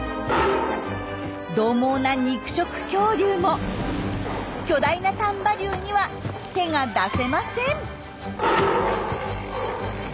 どう猛な肉食恐竜も巨大な丹波竜には手が出せません。